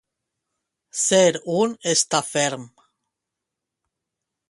Ser un estaferm.